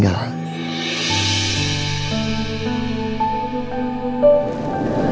seperti orang yang udah meninggal